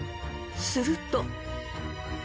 すると。